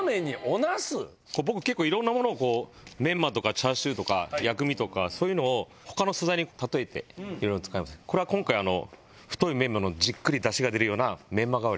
こう僕結構いろんなものをこうメンマとかチャーシューとか薬味とかそういうのを他の素材に例えていろいろ使うんですよこれは今回太いメンマのじっくり出汁が出るようなうわ！